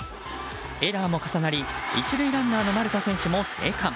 エラーも重なり１塁ランナーの丸田選手も生還。